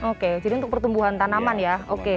oke jadi untuk pertumbuhan tanaman ya oke